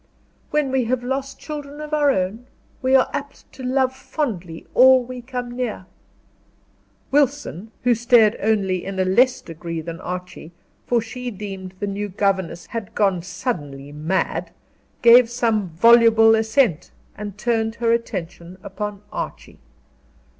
"When we have lost children of our own, we are apt to love fondly all we come near." Wilson, who stared only in a less degree than Archie, for she deemed the new governess had gone suddenly mad, gave some voluble assent, and turned her attention upon Archie.